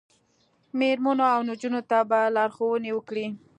میرمنو او نجونو ته به لارښوونه وکړي